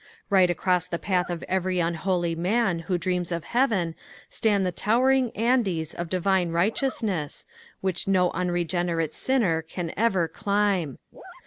Right across the path of every unholy man who dreams of heaven stand the towering Andes of divine righteous ness, which no unregenerate sinner can ever climb.